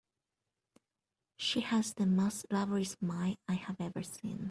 She has the most lovely smile I have ever seen.